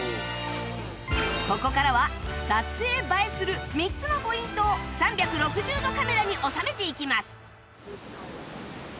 ここからは撮影映えする３つのポイントを３６０度カメラに収めていきます